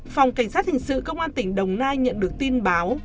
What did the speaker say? phòng cảnh sát hình sự công an tỉnh đồng nai nhận được tin báo